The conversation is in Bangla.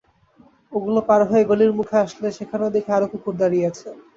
ওগুলো পার হয়ে গলির মুখে আসলে সেখানেও দেখি আরও কুকুর দাঁড়িয়ে আছে।